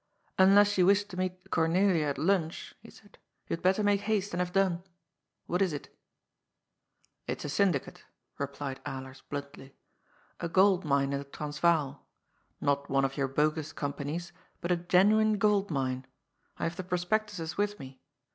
" Unless you wish to meet Cornelia at lunch," he said, " you had better make haste, and have done. What is it ?"" It's a syndicate," replied Alers bluntly. " A gold mine in the Transvaal. Not one of your bogus companies, but a genuine gold mine. I have the prospectuses with me.